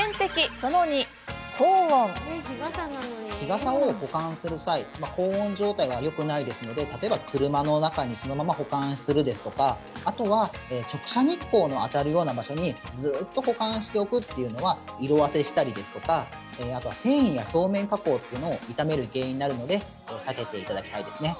日傘を保管する際高温状態はよくないですので例えば、車の中にそのまま保管するですとかあとは直射日光の当たるような場所にずっと保管しておくというのは色あせしたりですとかあと、繊維や表面加工というのを傷める原因になるので避けていただきたいですね。